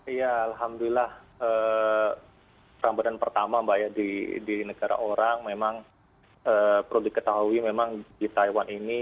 iya alhamdulillah ramadan pertama mbak ya di negara orang memang perlu diketahui memang di taiwan ini